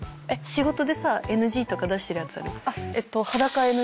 仕事でさＮＧとか出してるやつある？